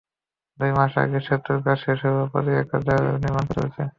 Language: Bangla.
দুই মাস আগে সেতুর কাজ শেষ হলেও প্রতিরক্ষা দেওয়ালের নির্মাণকাজ চলছে।